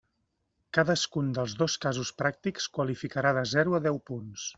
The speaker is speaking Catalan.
Cadascun dels dos casos pràctics qualificarà de zero a deu punts.